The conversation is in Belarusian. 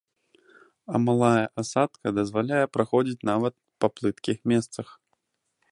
А малая асадка дазваляе праходзіць нават па плыткіх месцах.